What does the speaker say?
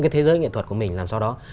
cái thế giới nghệ thuật của mình làm sao đó